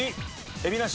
海老名市。